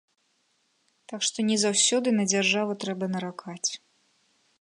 Так што не заўсёды на дзяржаву трэба наракаць.